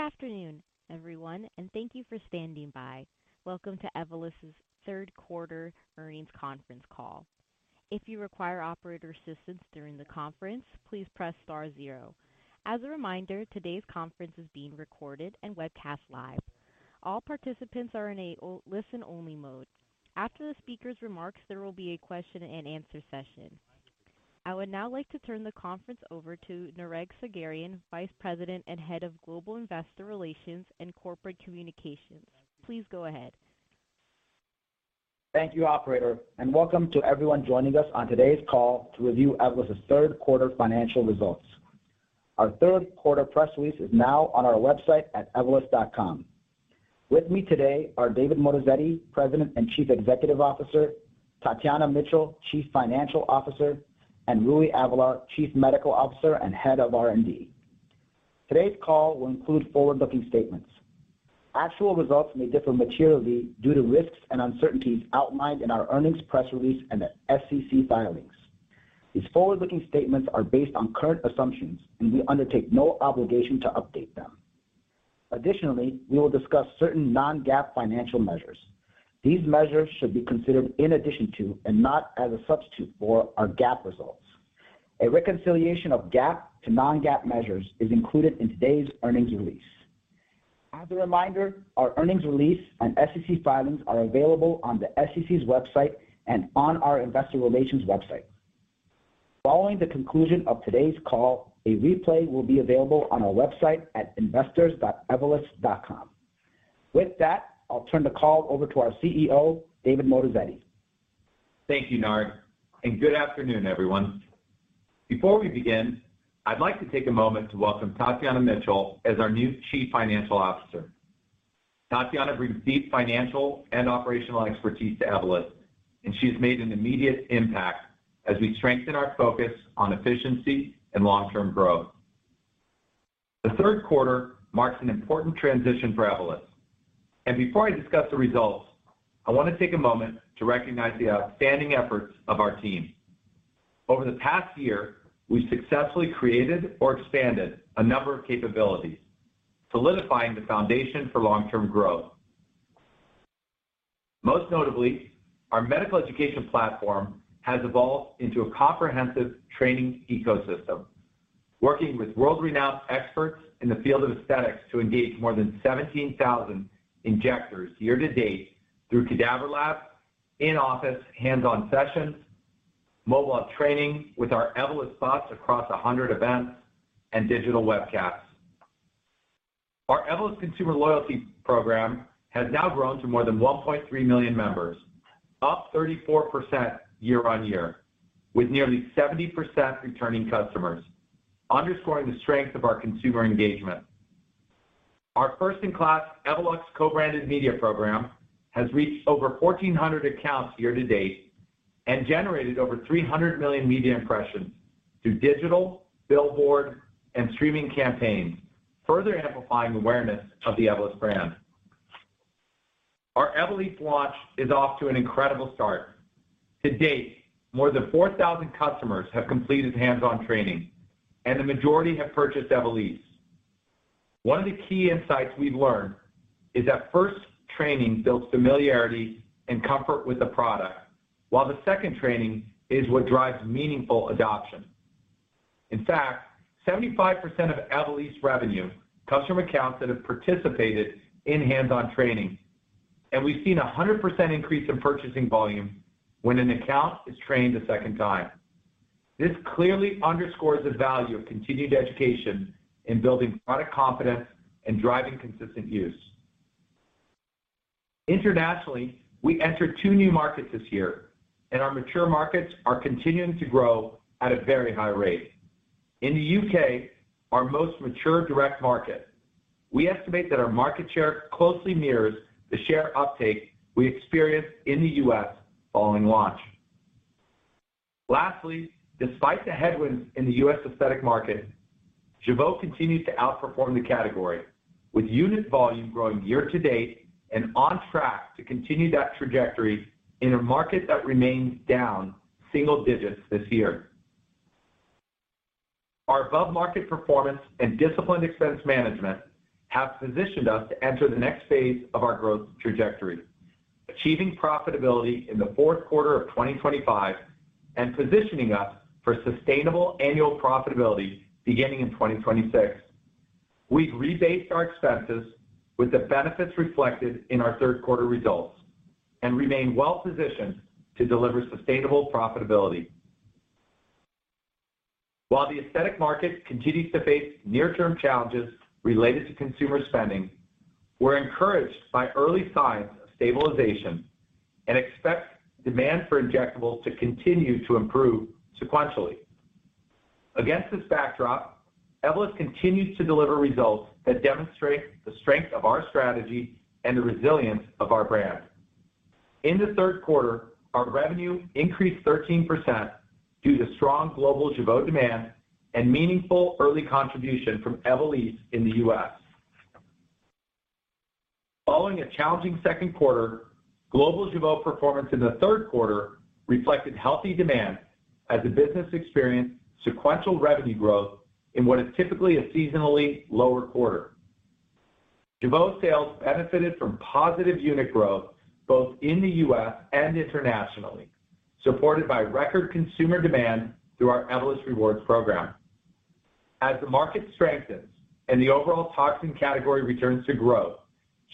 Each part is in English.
Good afternoon, everyone, and thank you for standing by. Welcome to Evolus's Q3 Earnings Conference Call. If you require operator assistance during the conference, please press star zero. As a reminder, today's conference is being recorded and webcast live. All participants are enabled listen-only mode. After the speaker's remarks, there will be a Q&A session. I would now like to turn the conference over to Nareg Sagherian, Vice President and Head of Global Investor Relations and Corporate Communications. Please go ahead. Thank you, Operator, and welcome to everyone joining us on today's call to review Evolus's Q3 financial results. Our Q3 press release is now on our website at evolus.com. With me today are David Moatazedi, President and Chief Executive Officer, Tatjana Mitchell, Chief Financial Officer, and Rui Avelar, Chief Medical Officer and Head of R&D. Today's call will include forward-looking statements. Actual results may differ materially due to risks and uncertainties outlined in our earnings press release and the SEC filings. These forward-looking statements are based on current assumptions, and we undertake no obligation to update them. Additionally, we will discuss certain non-GAAP financial measures. These measures should be considered in addition to, and not as a substitute for, our GAAP results. A reconciliation of GAAP to non-GAAP measures is included in today's earnings release. As a reminder, our earnings release and SEC filings are available on the SEC's website and on our investor relations website. Following the conclusion of today's call, a replay will be available on our website at investors.evolus.com. With that, I'll turn the call over to our CEO, David Moatazedi. Thank you, Nareg, and good afternoon, everyone. Before we begin, I'd like to take a moment to welcome Tatjana Mitchell as our new Chief Financial Officer. Tatjana brings deep financial and operational expertise to Evolus, and she's made an immediate impact as we strengthen our focus on efficiency and long-term growth. The Q3 marks an important transition for Evolus, and before I discuss the results, I want to take a moment to recognize the outstanding efforts of our team. Over the past year, we've successfully created or expanded a number of capabilities, solidifying the foundation for long-term growth. Most notably, our medical education platform has evolved into a comprehensive training ecosystem, working with world-renowned experts in the field of aesthetics to engage more than 17,000 injectors year-to-date through cadaver labs, in-office hands-on sessions, mobile training with our Evolus Bus across 100 events, and digital webcasts. Our Evolus Consumer Loyalty Program has now grown to more than 1.3 million members, up 34% year-on-year, with nearly 70% returning customers, underscoring the strength of our consumer engagement. Our first-in-class Evolus co-branded media program has reached over 1,400 accounts year-to-date and generated over 300 million media impressions through digital, billboard, and streaming campaigns, further amplifying awareness of the Evolus brand. Our Evolysse launch is off to an incredible start. To date, more than 4,000 customers have completed hands-on training, and the majority have purchased Evolysse. One of the key insights we've learned is that first training builds familiarity and comfort with the product, while the second training is what drives meaningful adoption. In fact, 75% of Evolysse revenue comes from accounts that have participated in hands-on training, and we've seen a 100% increase in purchasing volume when an account is trained a second time. This clearly underscores the value of continued education in building product confidence and driving consistent use. Internationally, we entered two new markets this year, and our mature markets are continuing to grow at a very high rate. In the U.K., our most mature direct market, we estimate that our market share closely mirrors the share uptake we experienced in the U.S. following launch. Lastly, despite the headwinds in the U.S. aesthetic market, Jeuveau continues to outperform the category, with unit volume growing year-to-date and on track to continue that trajectory in a market that remains down single digits this year. Our above-market performance and disciplined expense management have positioned us to enter the next phase of our growth trajectory, achieving profitability in the Q4 of 2025 and positioning us for sustainable annual profitability beginning in 2026. We've rebased our expenses with the benefits reflected in our Q3 results and remain well-positioned to deliver sustainable profitability. While the aesthetic market continues to face near-term challenges related to consumer spending, we're encouraged by early signs of stabilization and expect demand for injectables to continue to improve sequentially. Against this backdrop, Evolus continues to deliver results that demonstrate the strength of our strategy and the resilience of our brand. In the Q3, our revenue increased 13% due to strong global Jeuveau demand and meaningful early contribution from Evolysse in the U.S. Following a challenging Q2, global Jeuveau performance in the Q3 reflected healthy demand as the business experienced sequential revenue growth in what is typically a seasonally lower quarter. Jeuveau sales benefited from positive unit growth both in the U.S. and internationally, supported by record consumer demand through our Evolus Rewards program. As the market strengthens and the overall toxin category returns to growth,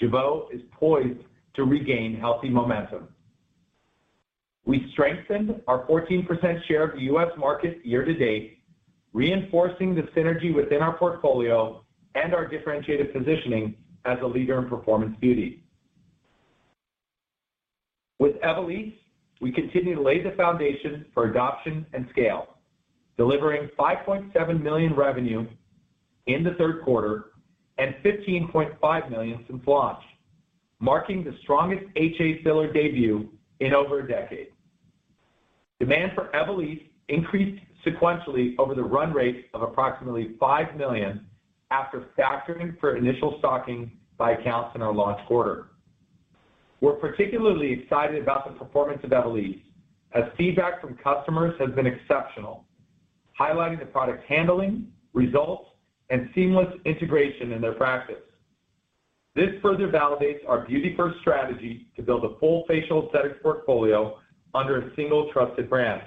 Jeuveau is poised to regain healthy momentum. We strengthened our 14% share of the U.S. market year-to-date, reinforcing the synergy within our portfolio and our differentiated positioning as a leader in performance beauty. With Evolysse, we continue to lay the foundation for adoption and scale, delivering $5.7 million revenue in the Q3 and $15.5 million since launch, marking the strongest HA filler debut in over a decade. Demand for Evolysse increased sequentially over the run rate of approximately $5 million after factoring for initial stocking by accounts in our launch quarter. We're particularly excited about the performance of Evolysse as feedback from customers has been exceptional, highlighting the product handling, results, and seamless integration in their practice. This further validates our beauty-first strategy to build a full facial aesthetics portfolio under a single trusted brand.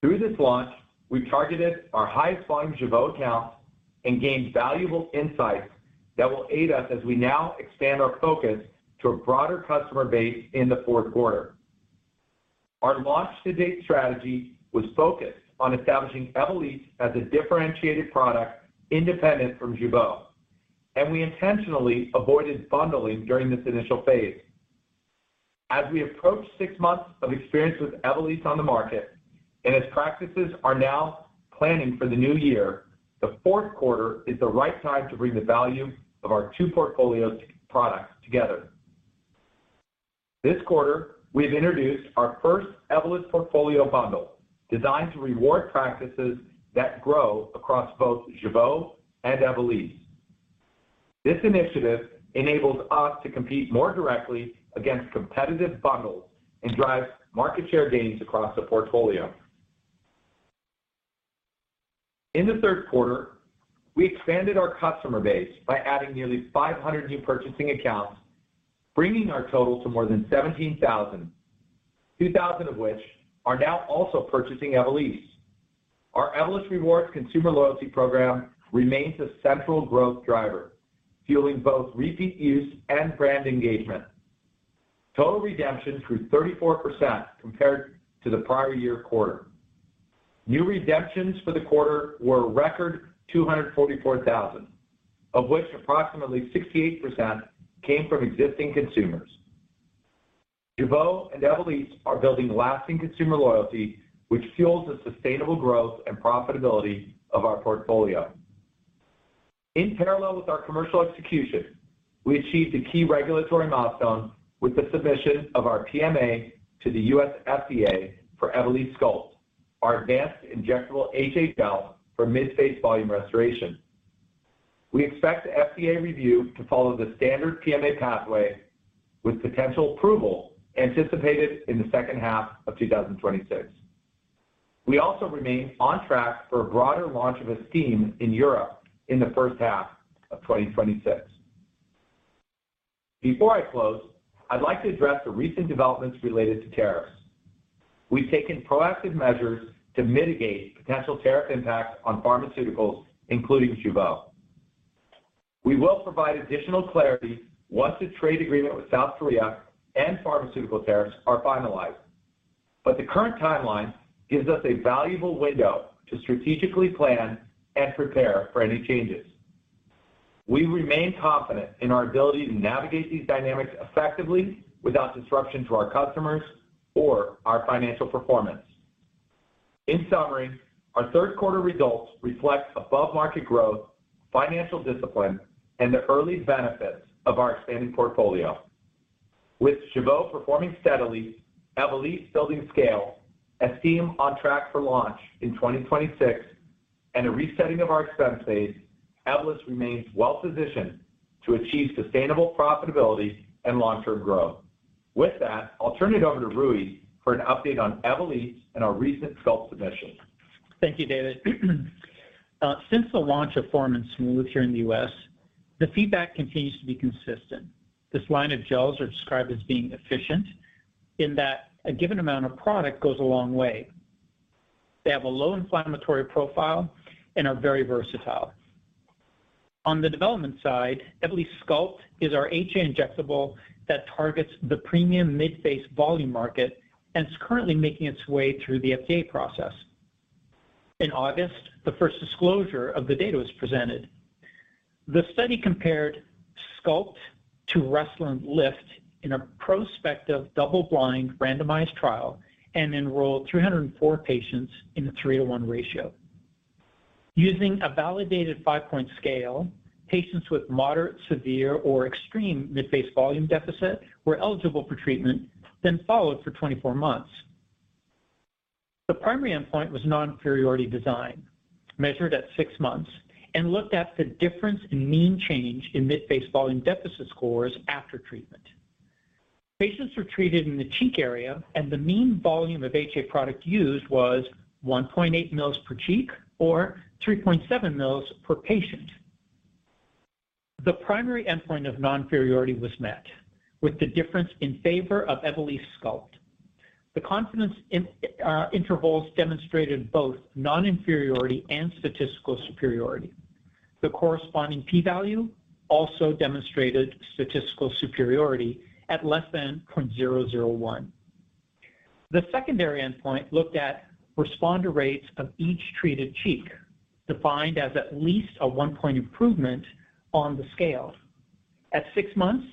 Through this launch, we targeted our highest volume Jeuveau accounts and gained valuable insights that will aid us as we now expand our focus to a broader customer base in the Q4. Our launch-to-date strategy was focused on establishing Evolysse as a differentiated product independent from Jeuveau, and we intentionally avoided bundling during this initial phase. As we approach six months of experience with Evolysse on the market and as practices are now planning for the new year, the Q4 is the right time to bring the value of our two portfolio products together. This quarter, we've introduced our first Evolus portfolio bundle designed to reward practices that grow across both Jeuveau and Evolysse. This initiative enables us to compete more directly against competitive bundles and drives market share gains across the portfolio. In the Q3, we expanded our customer base by adding nearly 500 new purchasing accounts, bringing our total to more than 17,000, 2,000 of which are now also purchasing Evolysse. Our Evolus Rewards consumer loyalty program remains a central growth driver, fueling both repeat use and brand engagement. Total redemption grew 34% compared to the prior year quarter. New redemptions for the quarter were a record 244,000, of which approximately 68% came from existing consumers. Jeuveau and Evolysse are building lasting consumer loyalty, which fuels the sustainable growth and profitability of our portfolio. In parallel with our commercial execution, we achieved a key regulatory milestone with the submission of our PMA to the U.S. FDA for Evolysse Sculpt, our advanced injectable HA for mid-face volume restoration. We expect the FDA review to follow the standard PMA pathway, with potential approval anticipated in the second half of 2026. We also remain on track for a broader launch of Estyme in Europe in the first half of 2026. Before I close, I'd like to address the recent developments related to tariffs. We've taken proactive measures to mitigate potential tariff impacts on pharmaceuticals, including Jeuveau. We will provide additional clarity once the trade agreement with South Korea and pharmaceutical tariffs are finalized, but the current timeline gives us a valuable window to strategically plan and prepare for any changes. We remain confident in our ability to navigate these dynamics effectively without disruption to our customers or our financial performance. In summary, our Q3 results reflect above-market growth, financial discipline, and the early benefits of our expanding portfolio. With Jeuveau performing steadily, Evolysse building scale, Estyme on track for launch in 2026, and a resetting of our expense base, Evolus remains well-positioned to achieve sustainable profitability and long-term growth. With that, I'll turn it over to Rui for an update on Evolysse and our recent Sculpt submission. Thank you, David. Since the launch of Evolysse Form and Smooth here in the U.S., the feedback continues to be consistent. This line of gels are described as being efficient in that a given amount of product goes a long way. They have a low inflammatory profile and are very versatile. On the development side, Evolysse Sculpt is our HA injectable that targets the premium mid-face volume market and is currently making its way through the FDA process. In August, the first disclosure of the data was presented. The study compared Sculpt to Restylane Lyft in a prospective double-blind randomized trial and enrolled 304 patients in a three-to-one ratio. Using a validated five-point scale, patients with moderate, severe, or extreme mid-face volume deficit were eligible for treatment, then followed for 24 months. The primary endpoint was non-inferiority design, measured at six months, and looked at the difference in mean change in mid-face volume deficit scores after treatment. Patients were treated in the cheek area, and the mean volume of HA product used was 1.8 mL per cheek or 3.7 mL per patient. The primary endpoint of non-inferiority was met with the difference in favor of Evolysse Sculpt. The confidence intervals demonstrated both non-inferiority and statistical superiority. The corresponding p-value also demonstrated statistical superiority at less than 0.001. The secondary endpoint looked at responder rates of each treated cheek, defined as at least a one-point improvement on the scale. At six months,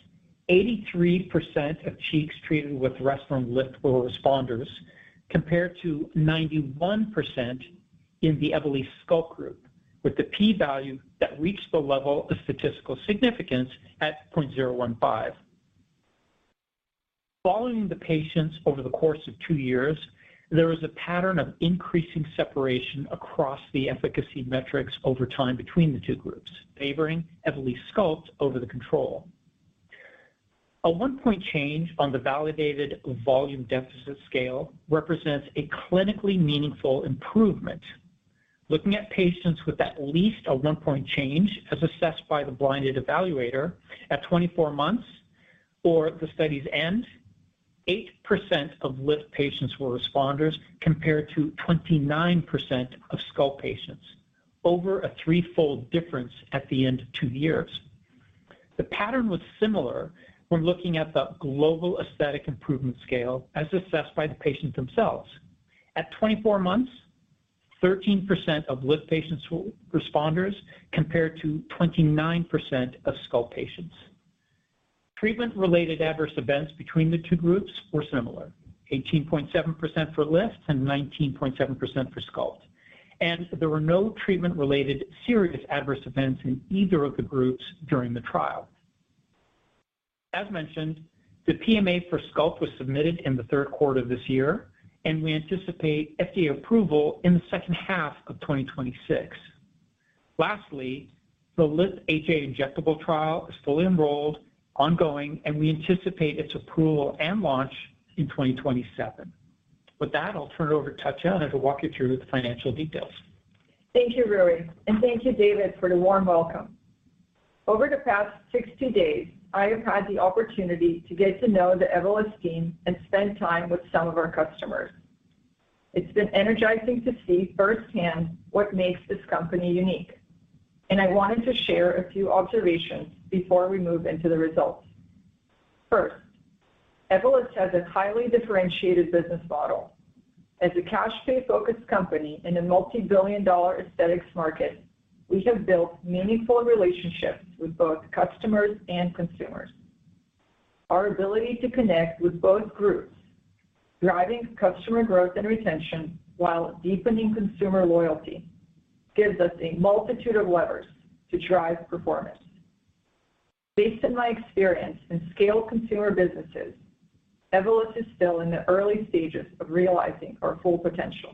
83% of cheeks treated with Restylane Lyft were responders, compared to 91% in the Evolysse Sculpt group, with the p-value that reached the level of statistical significance at 0.015. Following the patients over the course of two years, there was a pattern of increasing separation across the efficacy metrics over time between the two groups, favoring Evolysse Sculpt over the control. A one-point change on the validated volume deficit scale represents a clinically meaningful improvement. Looking at patients with at least a one-point change, as assessed by the blinded evaluator at 24 months or the study's end, 8% of Lyft patients were responders compared to 29% of Sculpt patients, over a threefold difference at the end of two years. The pattern was similar when looking at the global aesthetic improvement scale as assessed by the patients themselves. At 24 months, 13% of Lyft patients were responders compared to 29% of Sculpt patients. Treatment-related adverse events between the two groups were similar: 18.7% for Lyft and 19.7% for Sculpt, and there were no treatment-related serious adverse events in either of the groups during the trial. As mentioned, the PMA for Sculpt was submitted in the Q3 of this year, and we anticipate FDA approval in the second half of 2026. Lastly, the Lyft HA injectable trial is fully enrolled, ongoing, and we anticipate its approval and launch in 2027. With that, I'll turn it over to Tatjana to walk you through the financial details. Thank you, Rui, and thank you, David, for the warm welcome. Over the past 60 days, I have had the opportunity to get to know the Evolus team and spend time with some of our customers. It's been energizing to see firsthand what makes this company unique, and I wanted to share a few observations before we move into the results. First, Evolus has a highly differentiated business model. As a cash pay-focused company in a multi-billion-dollar aesthetics market, we have built meaningful relationships with both customers and consumers. Our ability to connect with both groups, driving customer growth and retention while deepening consumer loyalty, gives us a multitude of levers to drive performance. Based on my experience in scale consumer businesses, Evolus is still in the early stages of realizing our full potential.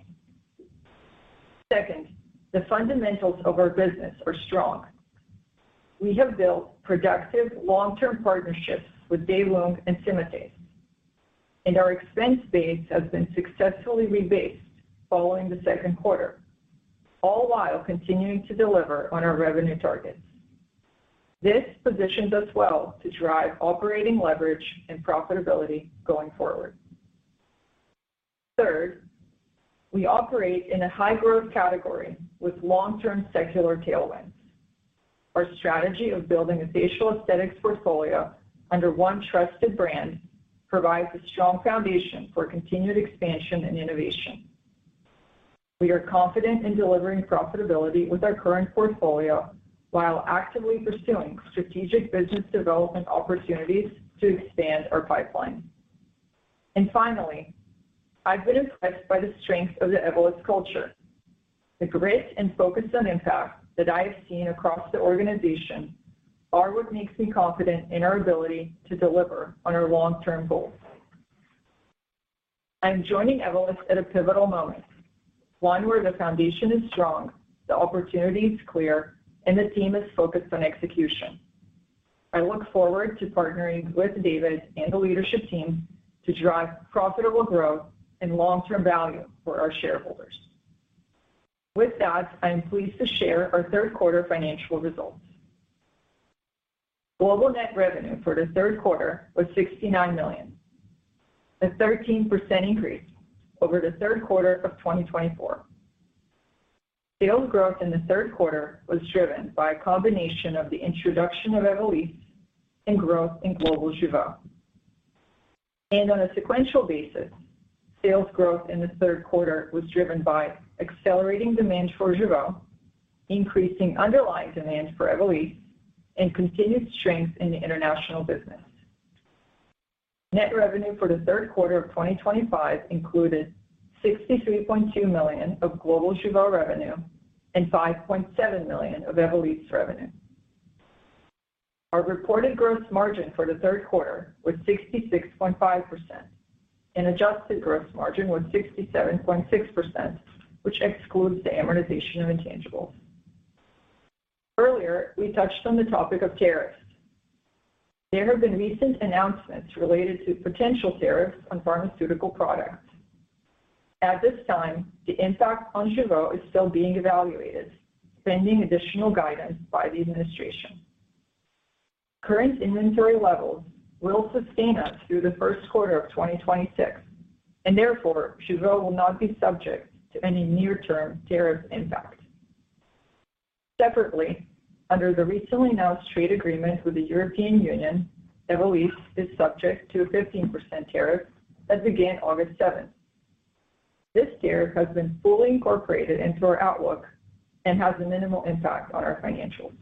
Second, the fundamentals of our business are strong. We have built productive long-term partnerships with Daewoong and Symatese, and our expense base has been successfully rebased following the Q2, all while continuing to deliver on our revenue targets. This positions us well to drive operating leverage and profitability going forward. Third, we operate in a high-growth category with long-term secular tailwinds. Our strategy of building a facial aesthetics portfolio under one trusted brand provides a strong foundation for continued expansion and innovation. We are confident in delivering profitability with our current portfolio while actively pursuing strategic business development opportunities to expand our pipeline. And finally, I've been impressed by the strength of the Evolus culture. The grit and focus on impact that I have seen across the organization are what makes me confident in our ability to deliver on our long-term goals. I'm joining Evolus at a pivotal moment, one where the foundation is strong, the opportunity is clear, and the team is focused on execution. I look forward to partnering with David and the leadership team to drive profitable growth and long-term value for our shareholders. With that, I'm pleased to share our Q3 financial results. Global net revenue for the Q3 was $69 million, a 13% increase over the Q3 of 2024. Sales growth in the Q3 was driven by a combination of the introduction of Evolysse and growth in global Jeuveau, and on a sequential basis, sales growth in the Q3 was driven by accelerating demand for Jeuveau, increasing underlying demand for Evolysse, and continued strength in the international business. Net revenue for the Q3 of 2025 included $63.2 million of global Jeuveau revenue and $5.7 million of Evolysse revenue. Our reported gross margin for the Q3 was 66.5%, and adjusted gross margin was 67.6%, which excludes the amortization of intangibles. Earlier, we touched on the topic of tariffs. There have been recent announcements related to potential tariffs on pharmaceutical products. At this time, the impact on Jeuveau is still being evaluated, pending additional guidance by the administration. Current inventory levels will sustain us through the Q1 of 2026, and therefore, Jeuveau will not be subject to any near-term tariff impact. Separately, under the recently announced trade agreement with the European Union, Evolysse is subject to a 15% tariff that began August 7th. This tariff has been fully incorporated into our outlook and has a minimal impact on our financials.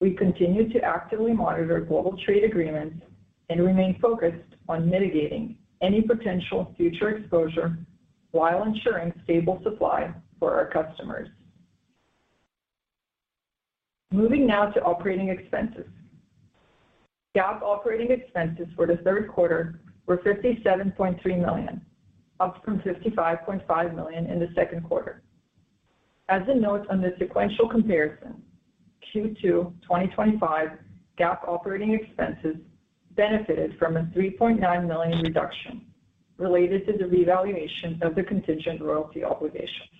We continue to actively monitor global trade agreements and remain focused on mitigating any potential future exposure while ensuring stable supply for our customers. Moving now to operating expenses. GAAP operating expenses for the Q3 were $57.3 million, up from $55.5 million in the Q2. As a note on the sequential comparison, Q2 2025 GAAP operating expenses benefited from a $3.9 million reduction related to the revaluation of the contingent royalty obligations.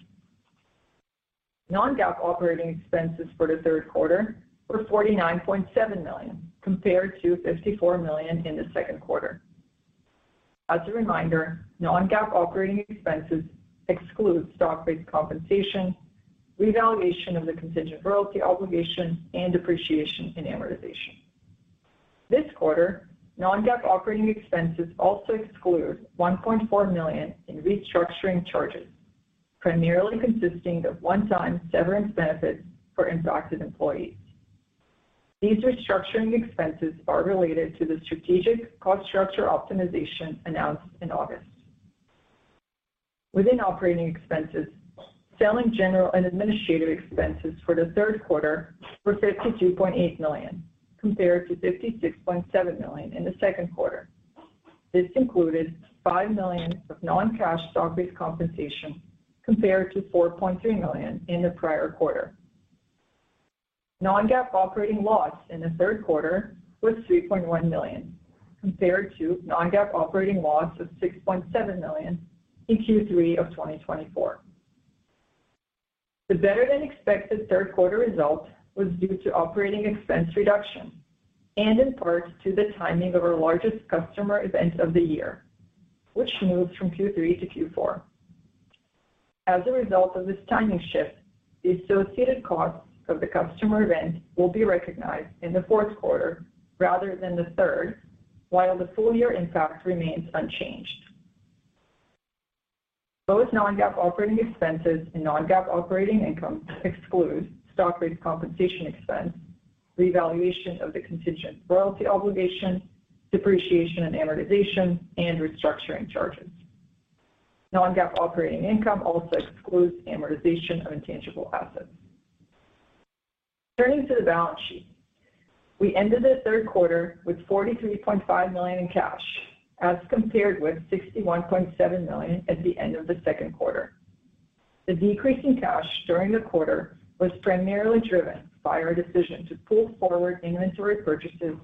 Non-GAAP operating expenses for the Q3 were $49.7 million, compared to $54 million in the Q2. As a reminder, non-GAAP operating expenses exclude stock-based compensation, revaluation of the contingent royalty obligation, and depreciation and amortization. This quarter, non-GAAP operating expenses also exclude $1.4 million in restructuring charges, primarily consisting of one-time severance benefits for impacted employees. These restructuring expenses are related to the strategic cost structure optimization announced in August. Within operating expenses, selling general and administrative expenses for the Q3 were $52.8 million, compared to $56.7 million in the Q2. This included $5 million of non-cash stock-based compensation, compared to $4.3 million in the prior quarter. Non-GAAP operating loss in the Q3 was $3.1 million, compared to non-GAAP operating loss of $6.7 million in Q3 of 2024. The better-than-expected Q3 result was due to operating expense reduction and in part to the timing of our largest customer event of the year, which moved from Q3 to Q4. As a result of this timing shift, the associated costs of the customer event will be recognized in the Q4 rather than the third, while the full-year impact remains unchanged. Both non-GAAP operating expenses and non-GAAP operating income exclude stock-based compensation expense, revaluation of the contingent royalty obligation, depreciation and amortization, and restructuring charges. Non-GAAP operating income also excludes amortization of intangible assets. Turning to the balance sheet, we ended the Q3 with $43.5 million in cash, as compared with $61.7 million at the end of the Q2. The decrease in cash during the quarter was primarily driven by our decision to pull forward inventory purchases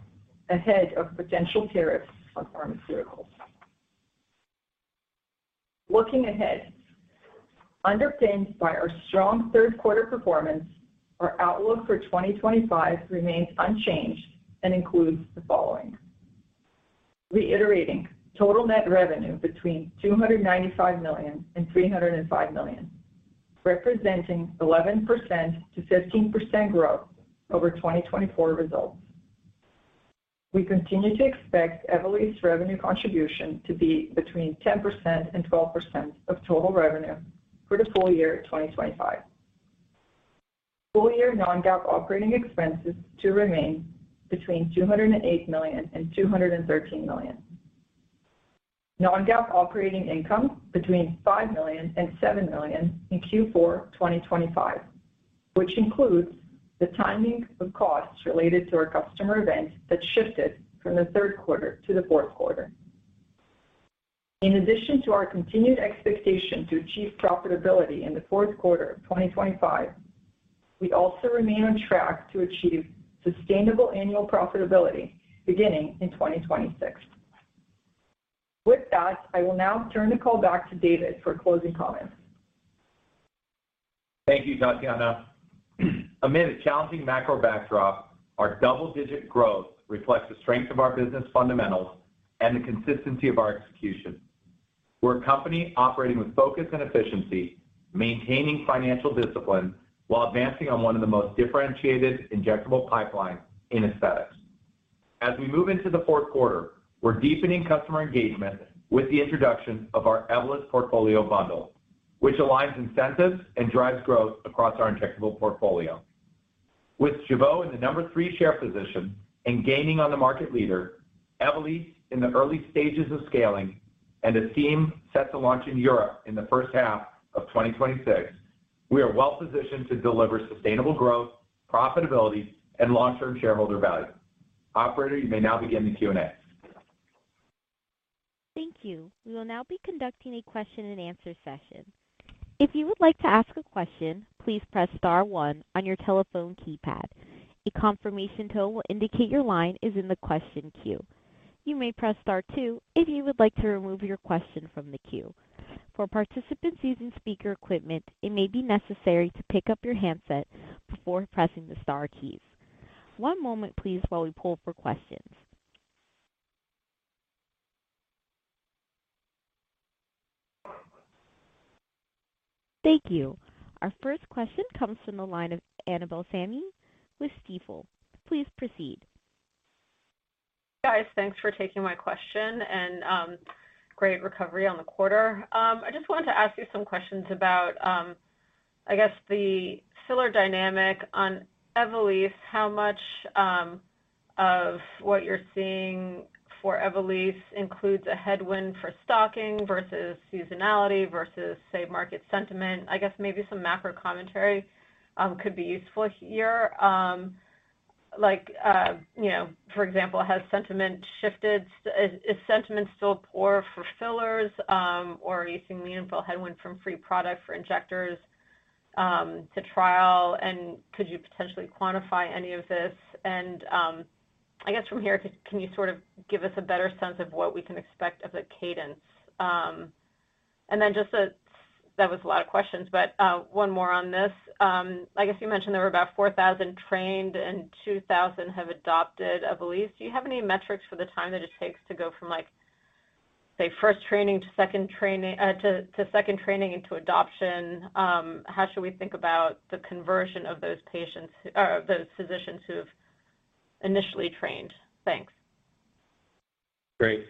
ahead of potential tariffs on pharmaceuticals. Looking ahead, underpinned by our strong Q3 performance, our outlook for 2025 remains unchanged and includes the following. Reiterating, total net revenue between $295 million and $305 million, representing 11% to 15% growth over 2024 results. We continue to expect Evolysse's revenue contribution to be between 10% and 12% of total revenue for the full-year 2025. Full-year non-GAAP operating expenses to remain between $208 million and $213 million. Non-GAAP operating income between $5 million and $7 million in Q4 2025, which includes the timing of costs related to our customer event that shifted from the Q3 to the Q4. In addition to our continued expectation to achieve profitability in the Q4 of 2025, we also remain on track to achieve sustainable annual profitability beginning in 2026. With that, I will now turn the call back to David for closing comments. Thank you, Tatjana. Amid a challenging macro backdrop, our double-digit growth reflects the strength of our business fundamentals and the consistency of our execution. We're a company operating with focus and efficiency, maintaining financial discipline while advancing on one of the most differentiated injectable pipelines in aesthetics. As we move into the Q4, we're deepening customer engagement with the introduction of our Evolus Portfolio Bundle, which aligns incentives and drives growth across our injectable portfolio. With Jeuveau in the number three share position and gaining on the market leader, Evolysse in the early stages of scaling, and Estyme set to launch in Europe in the first half of 2026, we are well-positioned to deliver sustainable growth, profitability, and long-term shareholder value. Operator, you may now begin the Q&A. Thank you. We will now be conducting a question-and-answer session. If you would like to ask a question, please press star one on your telephone keypad. A confirmation tone will indicate your line is in the question queue. You may press star two if you would like to remove your question from the queue. For participants using speaker equipment, it may be necessary to pick up your handset before pressing the Star keys. One moment, please, while we pull for questions. Thank you. Our first question comes from the line of Annabel Samimy with Stifel. Please proceed. Guys, thanks for taking my question and great recovery on the quarter. I just wanted to ask you some questions about, I guess, the sales dynamic on Evolysse. How much of what you're seeing for Evolysse includes a headwind for stocking versus seasonality versus, say, market sentiment? I guess maybe some macro commentary could be useful here. For example, has sentiment shifted? Is sentiment still poor for fillers, or are you seeing meaningful headwind from free product for injectors to trial? And could you potentially quantify any of this? And I guess from here, can you sort of give us a better sense of what we can expect of the cadence? And then just that was a lot of questions, but one more on this. I guess you mentioned there were about 4,000 trained and 2,000 have adopted Evolysse. Do you have any metrics for the time that it takes to go from, say, first training to second training into adoption? How should we think about the conversion of those physicians who have initially trained? Thanks. Great.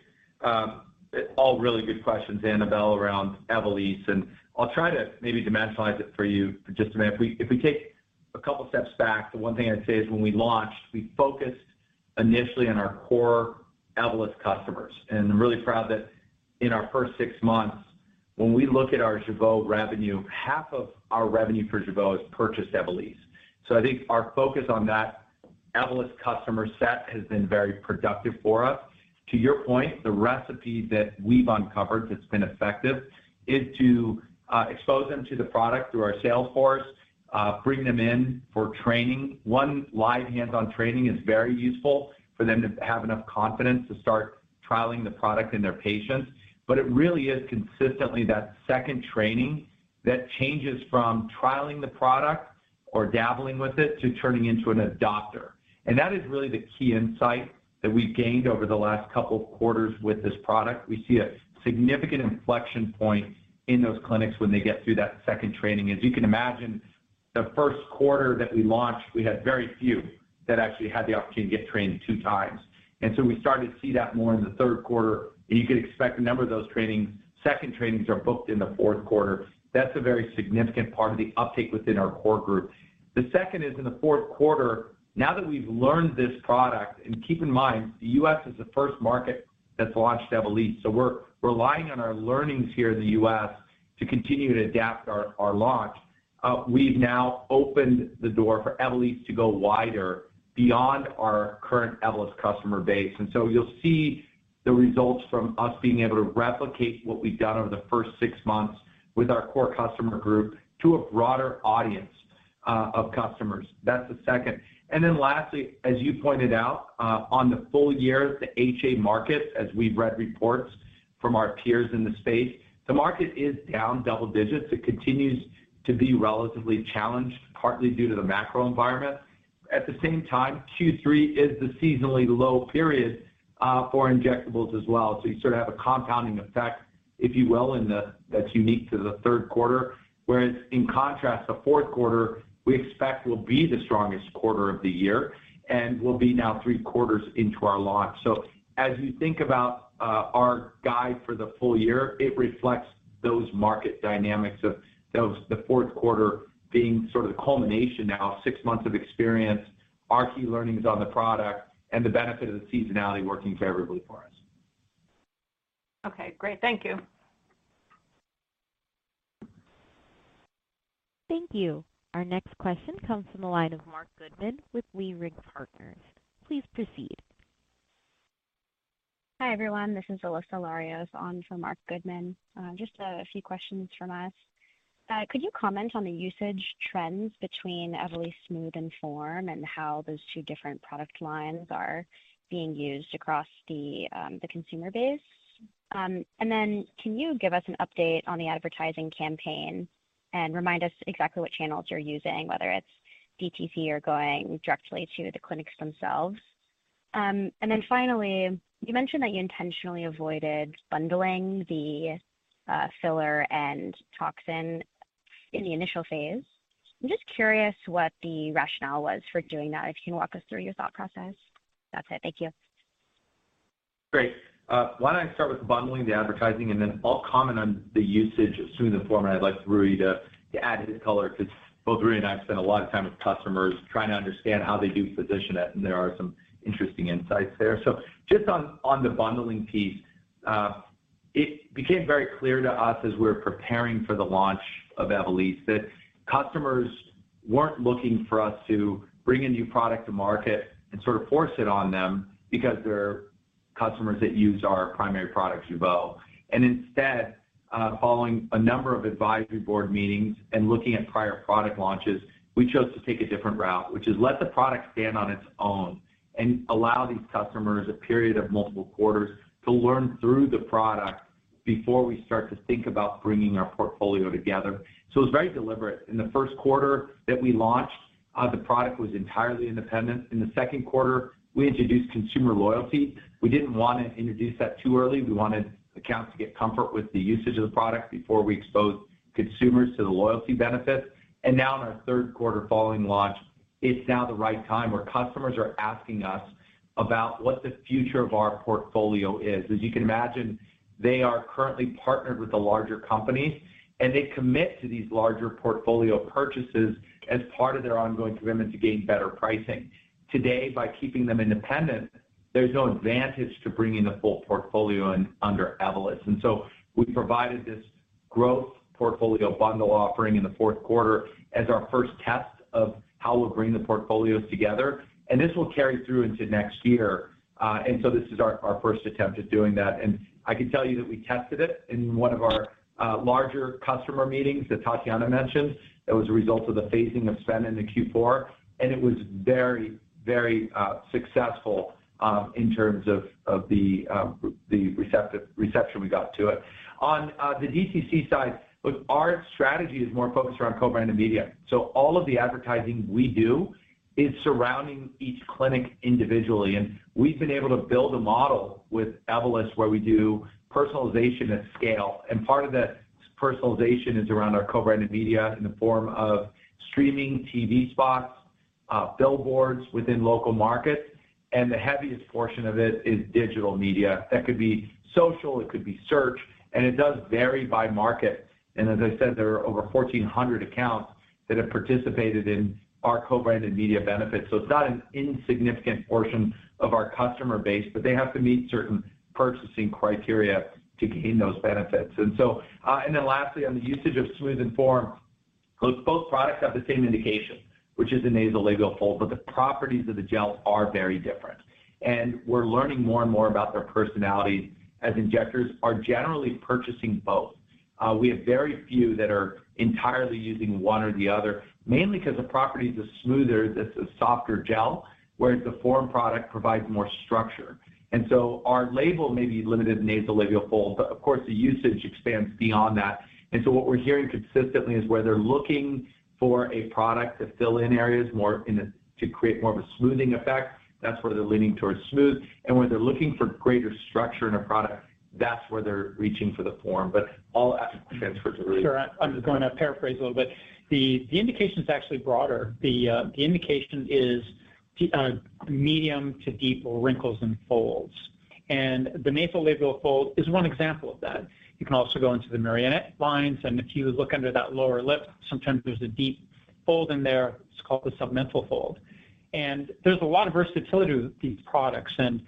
All really good questions, Annabel, around Evolysse. And I'll try to maybe demonstrate it for you for just a minute. If we take a couple of steps back, the one thing I'd say is when we launched, we focused initially on our core Evolus customers. And I'm really proud that in our first six months, when we look at our Jeuveau revenue, half of our revenue for Jeuveau is purchased Evolysse. So I think our focus on that Evolus customer set has been very productive for us. To your point, the recipe that we've uncovered that's been effective is to expose them to the product through our sales force, bring them in for training. One live hands-on training is very useful for them to have enough confidence to start trialing the product in their patients. But it really is consistently that second training that changes from trialing the product or dabbling with it to turning into an adopter. And that is really the key insight that we've gained over the last couple of quarters with this product. We see a significant inflection point in those clinics when they get through that second training. As you can imagine, the Q1 that we launched, we had very few that actually had the opportunity to get trained two times. And so we started to see that more in the Q3. And you can expect a number of those second trainings are booked in the Q4. That's a very significant part of the uptake within our core group. The second is in the Q4, now that we've learned this product, and keep in mind, the U.S. is the first market that's launched Evolysse. We're relying on our learnings here in the U.S. to continue to adapt our launch. We've now opened the door for Evolysse to go wider beyond our current Evolus customer base. And so you'll see the results from us being able to replicate what we've done over the first six months with our core customer group to a broader audience of customers. That's the second. And then lastly, as you pointed out, on the full-year, the HA market, as we've read reports from our peers in the space, the market is down double digits. It continues to be relatively challenged, partly due to the macro environment. At the same time, Q3 is the seasonally low period for injectables as well. So you sort of have a compounding effect, if you will, that's unique to the Q3, whereas in contrast, the Q4, we expect will be the strongest quarter of the year and will be now three quarters into our launch. So as you think about our guide for the full-year, it reflects those market dynamics of the Q4 being sort of the culmination now of six months of experience, our key learnings on the product, and the benefit of the seasonality working favorably for us. Okay. Great. Thank you. Thank you. Our next question comes from the line of Marc Goodman with Leerink Partners. Please proceed. Hi everyone. This is Elisha Larios on for Marc Goodman. Just a few questions from us. Could you comment on the usage trends between Evolysse Smooth and Form and how those two different product lines are being used across the consumer base? And then can you give us an update on the advertising campaign and remind us exactly what channels you're using, whether it's DTC or going directly to the clinics themselves? And then finally, you mentioned that you intentionally avoided bundling the filler and toxin in the initial phase. I'm just curious what the rationale was for doing that. If you can walk us through your thought process. That's it. Thank you. Great. Why don't I start with bundling the advertising and then I'll comment on the usage of Smooth and Form, and I'd like Rui to add his color because both Rui and I have spent a lot of time with customers trying to understand how they do position it, and there are some interesting insights there. So just on the bundling piece, it became very clear to us as we were preparing for the launch of Evolysse that customers weren't looking for us to bring a new product to market and sort of force it on them because they're customers that use our primary product, Jeuveau. Instead, following a number of advisory board meetings and looking at prior product launches, we chose to take a different route, which is let the product stand on its own and allow these customers a period of multiple quarters to learn through the product before we start to think about bringing our portfolio together. It was very deliberate. In the Q1 that we launched, the product was entirely independent. In the Q2, we introduced consumer loyalty. We didn't want to introduce that too early. We wanted accounts to get comfort with the usage of the product before we exposed consumers to the loyalty benefits. Now in our Q3 following launch, it's now the right time where customers are asking us about what the future of our portfolio is. As you can imagine, they are currently partnered with the larger companies, and they commit to these larger portfolio purchases as part of their ongoing commitment to gain better pricing. Today, by keeping them independent, there's no advantage to bringing the full portfolio in under Evolysse. And so we provided this growth portfolio bundle offering in the Q4 as our first test of how we'll bring the portfolios together. And this will carry through into next year. And so this is our first attempt at doing that. And I can tell you that we tested it in one of our larger customer meetings that Tatjana mentioned that was a result of the phasing of spend in the Q4. And it was very, very successful in terms of the reception we got to it. On the DTC side, our strategy is more focused around co-branded media. All of the advertising we do is surrounding each clinic individually. We've been able to build a model with Evolysse where we do personalization at scale. Part of that personalization is around our co-branded media in the form of streaming TV spots, billboards within local markets. The heaviest portion of it is digital media. That could be social, it could be search, and it does vary by market. As I said, there are over 1,400 accounts that have participated in our co-branded media benefits. It's not an insignificant portion of our customer base, but they have to meet certain purchasing criteria to gain those benefits. Then lastly, on the usage of Smooth and Form, both products have the same indication, which is the nasolabial fold, but the properties of the gel are very different. And we're learning more and more about their personality as injectors are generally purchasing both. We have very few that are entirely using one or the other, mainly because the Smooth is the smoother, the softer gel, whereas the Form product provides more structure. And so our label may be limited to nasolabial fold, but of course, the usage expands beyond that. And so what we're hearing consistently is where they're looking for a product to fill in areas to create more of a smoothing effect. That's where they're leaning towards Smooth. And when they're looking for greater structure in a product, that's where they're reaching for the Form. But I'll transfer it to Rui. Sure. I'm going to paraphrase a little bit. The indication is actually broader. The indication is medium to deep wrinkles and folds. And the nasolabial fold is one example of that. You can also go into the marionette lines. And if you look under that lower lip, sometimes there's a deep fold in there. It's called the submental fold. And there's a lot of versatility with these products. And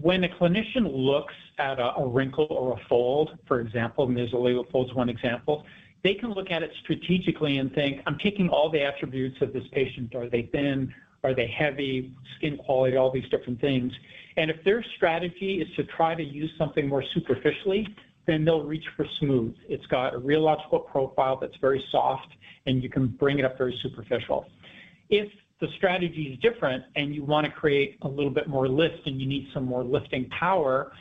when a clinician looks at a wrinkle or a fold, for example, nasolabial fold is one example, they can look at it strategically and think, "I'm taking all the attributes of this patient. Are they thin? Are they heavy? Skin quality?" All these different things. And if their strategy is to try to use something more superficially, then they'll reach for smooth. It's got a rheological profile that's very soft, and you can bring it up very superficial. If the strategy is different and you want to create a little bit more Lyft and you need some more lifting power,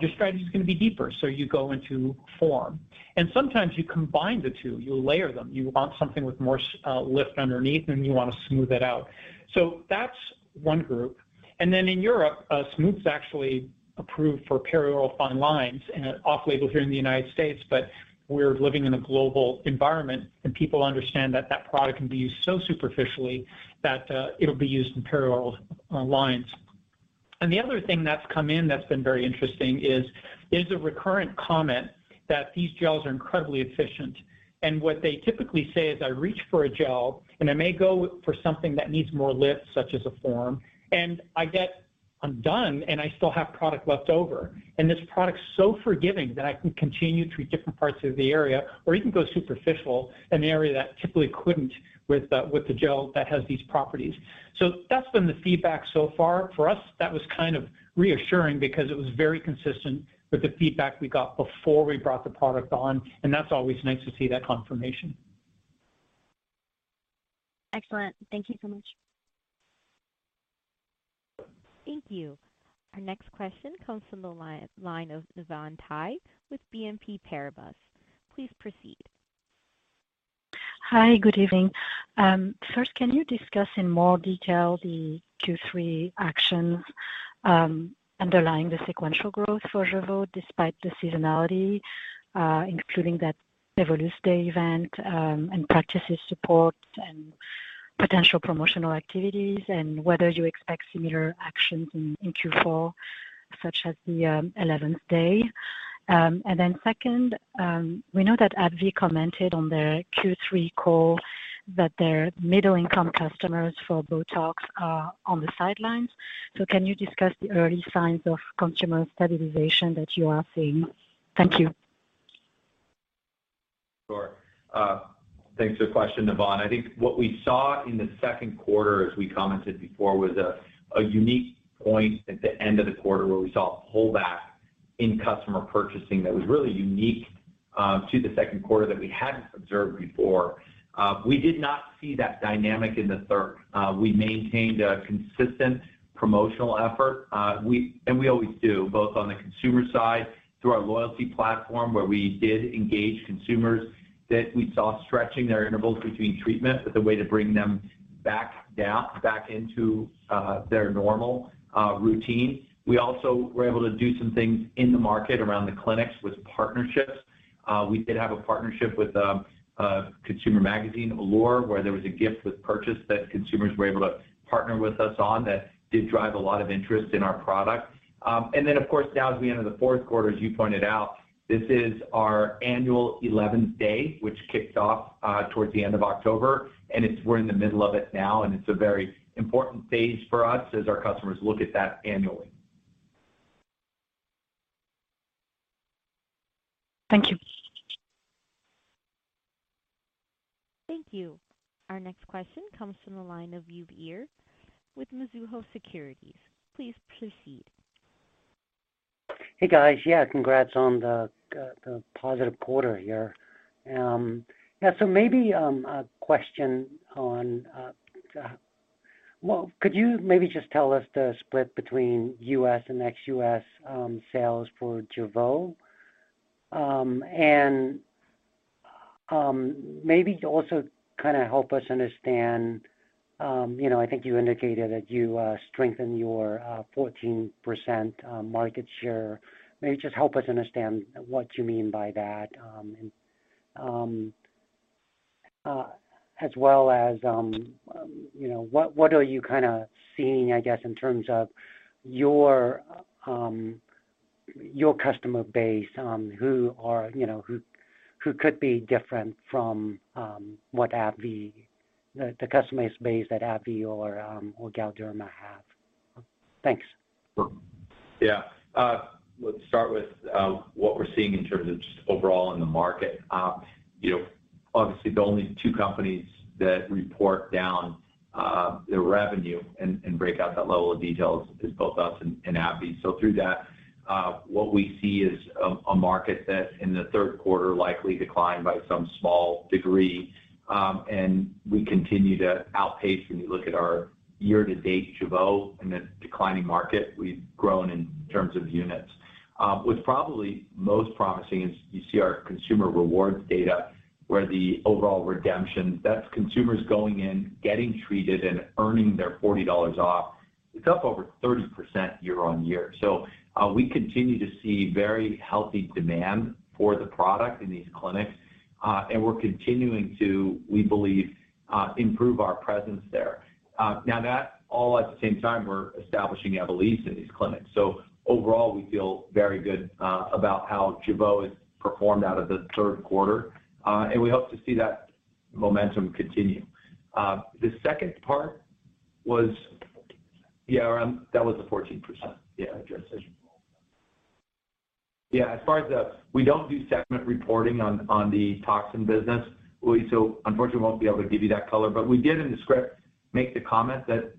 your strategy is going to be deeper. So you go into Form. And sometimes you combine the two. You layer them. You want something with more Lyft underneath, and you want to smooth it out. So that's one group. And then in Europe, Smooth is actually approved for perioral fine lines and off-label here in the United States, but we're living in a global environment, and people understand that that product can be used so superficially that it'll be used in perioral lines. And the other thing that's come in that's been very interesting is there's a recurrent comment that these gels are incredibly efficient. And what they typically say is, "I reach for a gel, and I may go for something that needs more Lyft, such as a Form, and I get undone, and I still have product left over." And this product is so forgiving that I can continue through different parts of the area or even go superficial in an area that typically couldn't with the gel that has these properties. So that's been the feedback so far. For us, that was kind of reassuring because it was very consistent with the feedback we got before we brought the product on. And that's always nice to see that confirmation. Excellent. Thank you so much. Thank you. Our next question comes from the line of Navann Ty with BNP Paribas. Please proceed. Hi. Good evening. First, can you discuss in more detail the Q3 actions underlying the sequential growth for Jeuveau despite the seasonality, including that Evolus Day event and practices support and potential promotional activities, and whether you expect similar actions in Q4, such as the 11th day? And then second, we know that AbbVie commented on their Q3 call that their middle-income customers for Botox are on the sidelines. So can you discuss the early signs of consumer stabilization that you are seeing? Thank you. Sure. Thanks for the question, Navann. I think what we saw in the Q2, as we commented before, was a unique point at the end of the quarter where we saw a pullback in customer purchasing that was really unique to the Q2 that we hadn't observed before. We did not see that dynamic in the third. We maintained a consistent promotional effort, and we always do, both on the consumer side through our loyalty platform where we did engage consumers that we saw stretching their intervals between treatment with a way to bring them back into their normal routine. We also were able to do some things in the market around the clinics with partnerships. We did have a partnership with Allure where there was a gift with purchase that consumers were able to partner with us on that did drive a lot of interest in our product. And then, of course, now as we enter the Q4, as you pointed out, this is our annual 11th day, which kicked off towards the end of October. And we're in the middle of it now, and it's a very important phase for us as our customers look at that annually. Thank you. Thank you. Our next question comes from the line of Uy Ear with Mizuho Securities. Please proceed. Hey, guys. Yeah, congrats on the positive quarter here. Yeah. So maybe a question on could you maybe just tell us the split between U.S. and ex-U.S. sales for Jeuveau? And maybe also kind of help us understand I think you indicated that you strengthened your 14% market share. Maybe just help us understand what you mean by that? As well as what are you kind of seeing, I guess, in terms of your customer base who could be different from what the customer base that AbbVie or Galderma have? Thanks. Yeah. Let's start with what we're seeing in terms of just overall in the market. Obviously, the only two companies that report down their revenue and break out that level of details is both us and AbbVie, so through that, what we see is a market that in the Q3 likely declined by some small degree, and we continue to outpace when you look at our year-to-date Jeuveau in a declining market. We've grown in terms of units. What's probably most promising is you see our consumer rewards data where the overall redemption, that's consumers going in, getting treated, and earning their $40 off. It's up over 30% year-on-year, so we continue to see very healthy demand for the product in these clinics, and we're continuing to, we believe, improve our presence there. Now, all at the same time, we're establishing Evolysse in these clinics. So overall, we feel very good about how Jeuveau has performed in the Q3, and we hope to see that momentum continue. The second part was, yeah, that was the 14%. Yeah, address it. Yeah. As far as we don't do segment reporting on the toxin business. So unfortunately, we won't be able to give you that color. But we did in the script make the comment that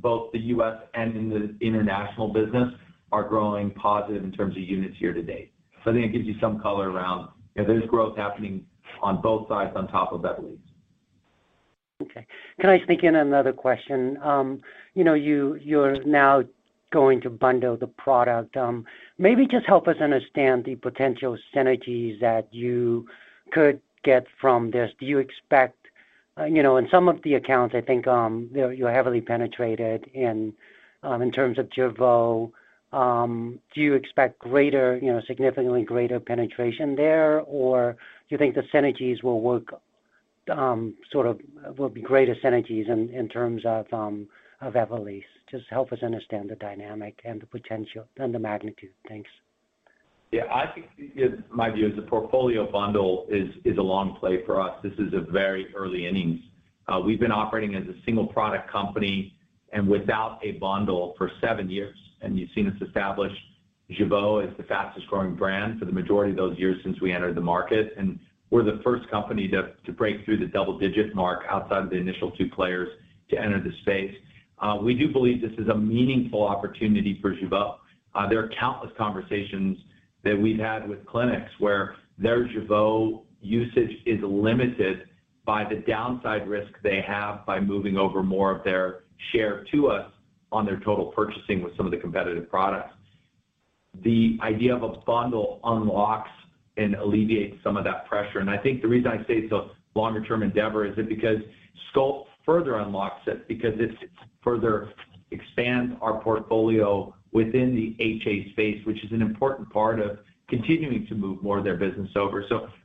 both the U.S. and the international business are growing positive in terms of units year-to-date. So I think it gives you some color around that there's growth happening on both sides on top of Evolysse. Okay. Can I sneak in another question? You're now going to bundle the product. Maybe just help us understand the potential synergies that you could get from this. Do you expect in some of the accounts, I think you're heavily penetrated in terms of Jeuveau. Do you expect significantly greater penetration there, or do you think the synergies will work sort of will be greater synergies in terms of Evolysse? Just help us understand the dynamic and the potential and the magnitude. Thanks. Yeah. I think my view is the portfolio bundle is a long play for us. This is a very early innings. We've been operating as a single product company and without a bundle for seven years, and you've seen us establish Jeuveau as the fastest-growing brand for the majority of those years since we entered the market, and we're the first company to break through the double-digit mark outside of the initial two players to enter the space. We do believe this is a meaningful opportunity for Jeuveau. There are countless conversations that we've had with clinics where their Jeuveau usage is limited by the downside risk they have by moving over more of their share to us on their total purchasing with some of the competitive products. The idea of a bundle unlocks and alleviates some of that pressure. I think the reason I say it's a longer-term endeavor is because Sculpt further unlocks it because it further expands our portfolio within the HA space, which is an important part of continuing to move more of their business over.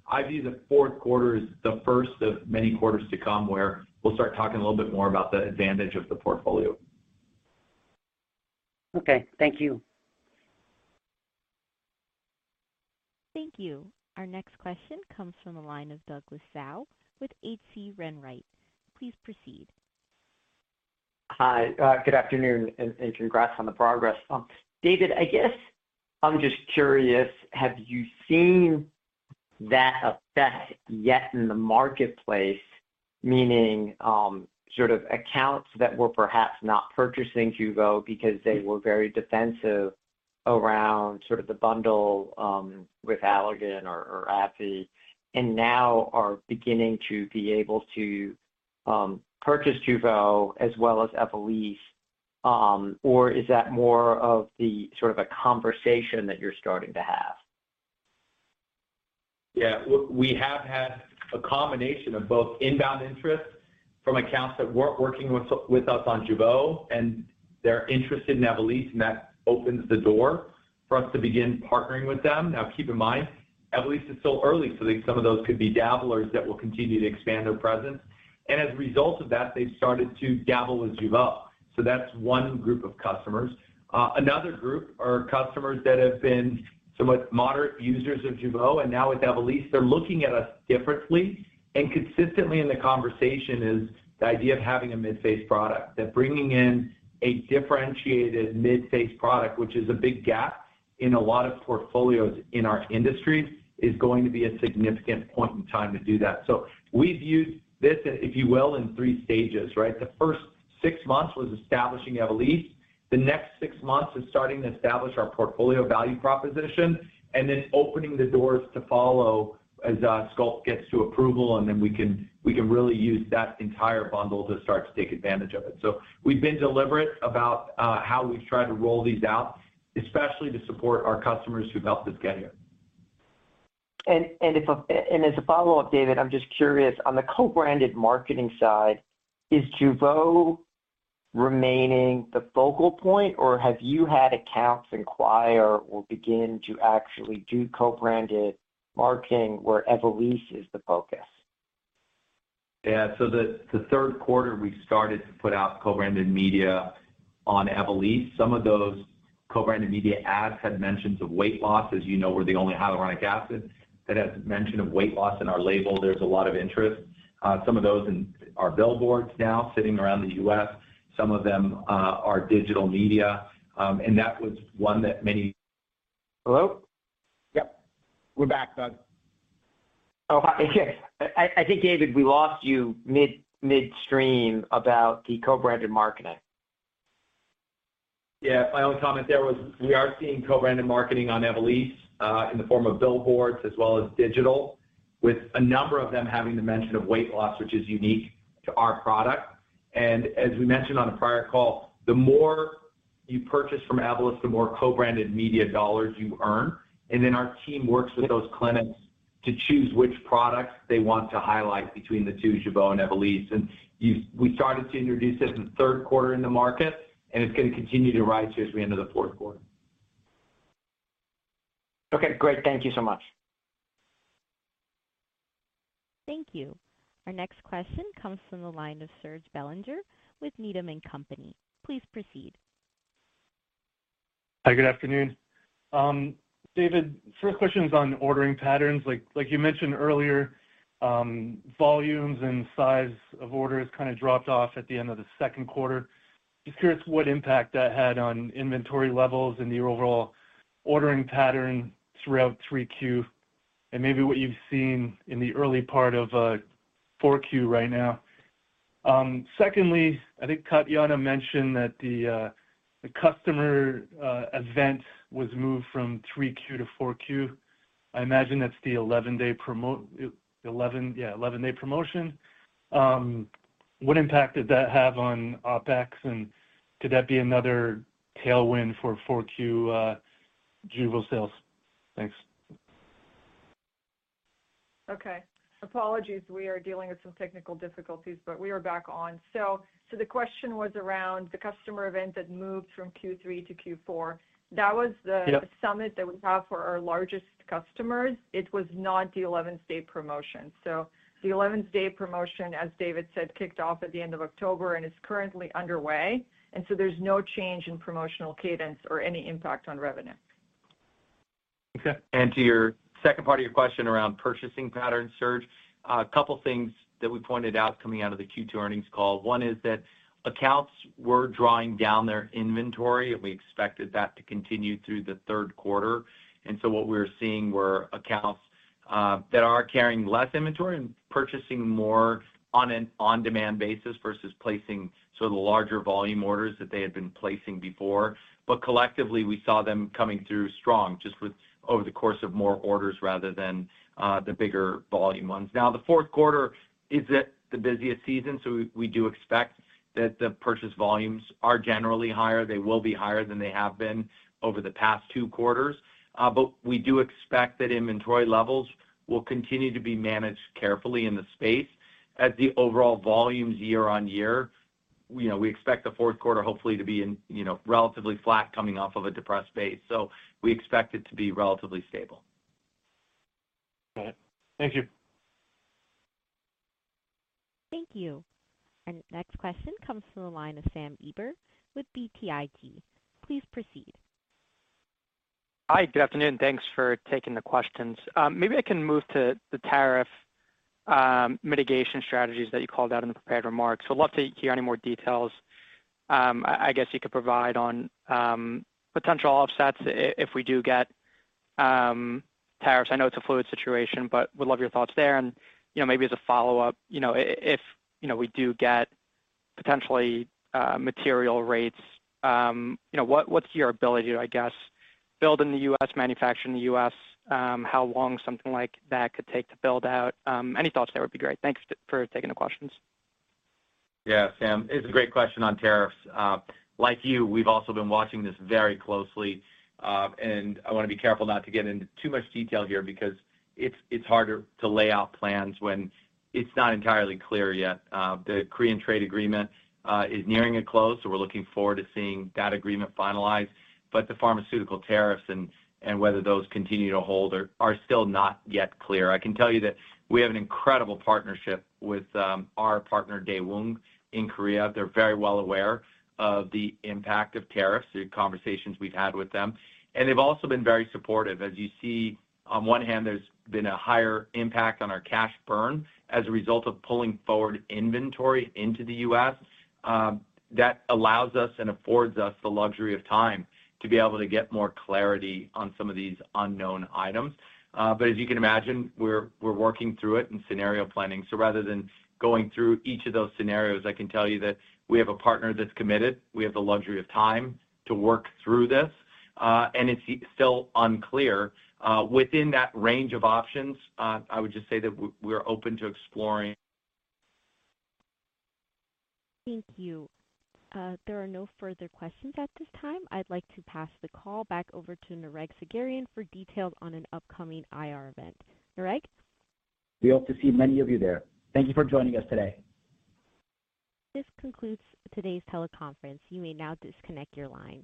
I view the Q4 as the first of many quarters to come where we'll start talking a little bit more about the advantage of the portfolio. Okay. Thank you. Thank you. Our next question comes from the line of Doug Tsao with H.C. Wainwright. Please proceed. Hi. Good afternoon and congrats on the progress. David, I guess I'm just curious, have you seen that effect yet in the marketplace, meaning sort of accounts that were perhaps not purchasing Jeuveau because they were very defensive around sort of the bundle with Allergan or AbbVie, and now are beginning to be able to purchase Jeuveau as well as Evolysse? Or is that more of the sort of a conversation that you're starting to have? Yeah. We have had a combination of both inbound interest from accounts that weren't working with us on Jeuveau, and they're interested in Evolysse, and that opens the door for us to begin partnering with them. Now, keep in mind, Evolysse is still early, so some of those could be dabblers that will continue to expand their presence. And as a result of that, they've started to dabble with Jeuveau. So that's one group of customers. Another group are customers that have been somewhat moderate users of Jeuveau, and now with Evolysse, they're looking at us differently. And consistently in the conversation is the idea of having a mid-phase product. That bringing in a differentiated mid-phase product, which is a big gap in a lot of portfolios in our industry, is going to be a significant point in time to do that. So we've used this, if you will, in three stages, right? The first six months was establishing Evolysse. The next six months is starting to establish our portfolio value proposition and then opening the doors to Evolysse as Sculpt gets to approval, and then we can really use that entire bundle to start to take advantage of it. So we've been deliberate about how we've tried to roll these out, especially to support our customers who've helped us get here. As a follow-up, David, I'm just curious, on the co-branded marketing side, is Jeuveau remaining the focal point, or have you had accounts inquire or begin to actually do co-branded marketing where Evolysse is the focus? Yeah, so the Q3, we started to put out co-branded media on Evolysse. Some of those co-branded media ads had mentions of weight loss, as you know, where they only have hyaluronic acid. That has mention of weight loss in our label. There's a lot of interest. Some of those are billboards now sitting around the U.S. Some of them are digital media. And that was one that many. Hello? Yep. We're back, Doug. Oh, hi. I think, David, we lost you midstream about the co-branded marketing. Yeah. Final comment there was we are seeing co-branded marketing on Evolysse in the form of billboards as well as digital, with a number of them having the mention of weight loss, which is unique to our product. And as we mentioned on a prior call, the more you purchase from AbbVie, the more co-branded media dollars you earn. And then our team works with those clinics to choose which products they want to highlight between the two, Jeuveau and Evolysse. And we started to introduce it in the Q3 in the market, and it's going to continue to rise here as we enter the Q4. Okay. Great. Thank you so much. Thank you. Our next question comes from the line of Serge Belanger with Needham and Company. Please proceed. Hi. Good afternoon. David, first question is on ordering patterns. Like you mentioned earlier, volumes and size of orders kind of dropped off at the end of the Q2. Just curious what impact that had on inventory levels and the overall ordering pattern throughout 3Q and maybe what you've seen in the early part of 4Q right now. Secondly, I think Tatjana mentioned that the customer event was moved from 3Q to 4Q. I imagine that's the 11-day promotion. Yeah, 11-day promotion. What impact did that have on OpEx, and could that be another tailwind for 4Q Jeuveau sales? Thanks. Okay. Apologies. We are dealing with some technical difficulties, but we are back on, so the question was around the customer event that moved from Q3 to Q4. That was the summit that we have for our largest customers. It was not the 11th-day promotion. So the 11th-day promotion, as David said, kicked off at the end of October and is currently underway, and so there's no change in promotional cadence or any impact on revenue. And to your second part of your question around purchasing patterns, Serge, a couple of things that we pointed out coming out of the Q2 earnings call. One is that accounts were drawing down their inventory, and we expected that to continue through the Q3. And so what we were seeing were accounts that are carrying less inventory and purchasing more on an on-demand basis versus placing sort of the larger volume orders that they had been placing before. But collectively, we saw them coming through strong just over the course of more orders rather than the bigger volume ones. Now, the Q4 is the busiest season, so we do expect that the purchase volumes are generally higher. They will be higher than they have been over the past two quarters. But we do expect that inventory levels will continue to be managed carefully in the space. As the overall volumes year-on-year, we expect the Q4 hopefully to be relatively flat coming off of a depressed base. So we expect it to be relatively stable. Got it. Thank you. Thank you. And next question comes from the line of Sam Eiber with BTIG. Please proceed. Hi. Good afternoon. Thanks for taking the questions. Maybe I can move to the tariff mitigation strategies that you called out in the prepared remarks. We'd love to hear any more details, I guess, you could provide on potential offsets if we do get tariffs. I know it's a fluid situation, but we'd love your thoughts there. And maybe as a follow-up, if we do get potentially material rates, what's your ability, I guess, to build in the U.S., manufacture in the U.S., how long something like that could take to build out? Any thoughts there would be great. Thanks for taking the questions. Yeah. Sam, it's a great question on tariffs. Like you, we've also been watching this very closely. And I want to be careful not to get into too much detail here because it's harder to lay out plans when it's not entirely clear yet. The Korean trade agreement is nearing a close, so we're looking forward to seeing that agreement finalized. But the pharmaceutical tariffs and whether those continue to hold are still not yet clear. I can tell you that we have an incredible partnership with our partner, Daewoong, in Korea. They're very well aware of the impact of tariffs, the conversations we've had with them. And they've also been very supportive. As you see, on one hand, there's been a higher impact on our cash burn as a result of pulling forward inventory into the U.S. That allows us and affords us the luxury of time to be able to get more clarity on some of these unknown items. But as you can imagine, we're working through it and scenario planning. So rather than going through each of those scenarios, I can tell you that we have a partner that's committed. We have the luxury of time to work through this. And it's still unclear. Within that range of options, I would just say that we're open to exploring. Thank you. There are no further questions at this time. I'd like to pass the call back over to Nareg Sagherian for details on an upcoming IR event. Nareg? We hope to see many of you there. Thank you for joining us today. This concludes today's teleconference. You may now disconnect your lines.